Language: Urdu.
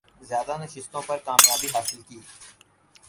زیادہ نشستوں پر کامیابی حاصل کی